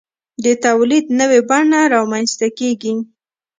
د تولید نوې بڼه رامنځته کیږي.